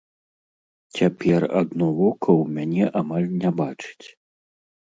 Цяпер адно вока ў мяне амаль не бачыць.